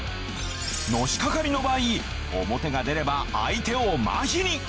のしかかりの場合オモテが出れば相手をマヒに！